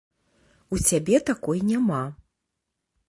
У цябе такой няма.